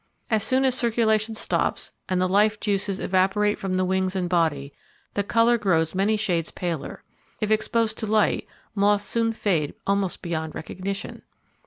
As soon as circulation stops, and the life juices evaporate from the wings and body, the colour grows many shades paler. If exposed to light, moths soon fade almost beyond recognition.